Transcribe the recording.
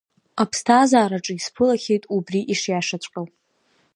Аԥсҭазаараҿы исԥылахьеит убри ишиашаҵәҟьоу.